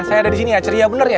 saya ada di sini ya ceria bener ya